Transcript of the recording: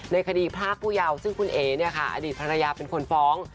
ในคดีภาคผู้ยาวซึ่งคุณเอ๋อดีตภรรยาเป็นคนฟ้อง